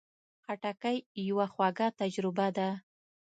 خټکی یوه خواږه تجربه ده.